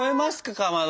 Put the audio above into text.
かまど。